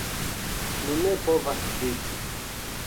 Mi ne povas vidi